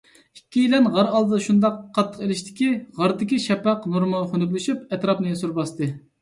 ئىككىيلەن غار ئالدىدا شۇنداق قاتتىق ئېلىشتىكى، غاردىكى شەپەق نۇرىمۇ خۇنۈكلىشىپ، ئەتراپنى سۈر باستى.